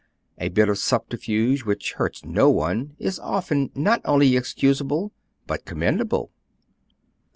A bit of subterfuge which hurts no one is often not only excusable, but commendable.